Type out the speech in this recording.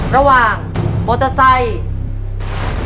ระหว่างมอเตอร์ไซค์